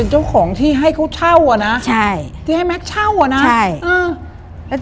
เจ้าของที่ให้เขาเช่าอ่ะนะใช่ที่ให้แม็กซ์เช่าอ่ะนะใช่เออ